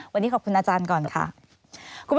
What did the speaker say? วันนี้ขอบคุณอาจารย์ก่อนค่ะ